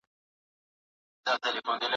که بیان ازاد وي، حقیقت روښانه کېږي.